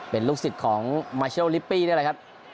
เป็นลูกศิษย์ของมาเชลลิปปี้นี่แหละครับ